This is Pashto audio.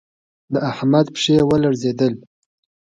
د احمد پښې و لړزېدل